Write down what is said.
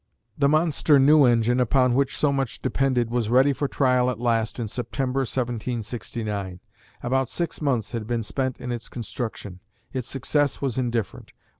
The monster new engine, upon which so much depended, was ready for trial at last in September, 1769. About six months had been spent in its construction. Its success was indifferent.